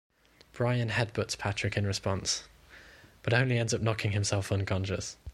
Brian headbutts Patrick in response, but only ends up knocking himself unconscious.